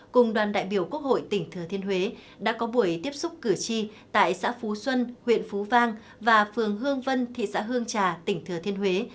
cùng đoàn đại biểu quốc hội tỉnh thừa thiên huế đã có buổi tiếp xúc cử tri tại xã phú xuân huyện phú vang và phường hương vân thị xã hương trà tỉnh thừa thiên huế